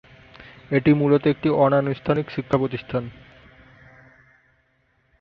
এটি মূলত একটি অনানুষ্ঠানিক প্রতিষ্ঠান।